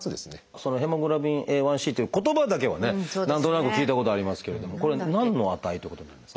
そのＨｂＡ１ｃという言葉だけはね何となく聞いたことありますけれどもこれ何の値ってことになるんですか？